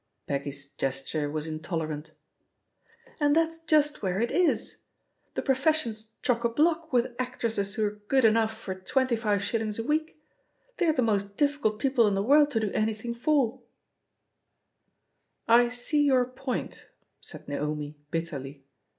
Peggy's gesture was intolerant. "And that's just where it is! the profession's chock a block with actresses who're good enough for twenty five shillings a week. They're the most difficult people in the world to do anything for I" "I see your point," said Naomi bitterly.